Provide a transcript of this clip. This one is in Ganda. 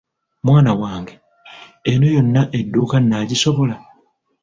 Mwana wange, eno yonna edduuka nnagisobola?